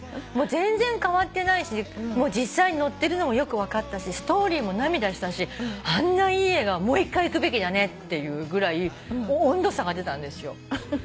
全然変わってないし実際に乗ってるのもよく分かったしストーリーも涙したしあんないい映画はもう一回行くべきだねっていうぐらい温度差が出たんですよ。